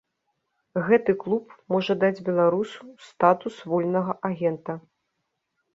Гэты клуб можа даць беларусу статус вольнага агента.